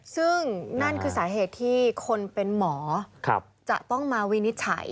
ซึ่งนั่นคือสาเหตุที่คนเป็นหมอจะต้องมาวินิจฉัย